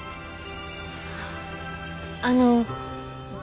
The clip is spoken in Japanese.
あの。